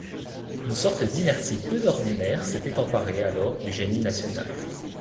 Une sorte d'inertie peu ordinaire s'était emparée alors du génie national.